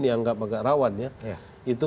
dianggap agak rawan ya itu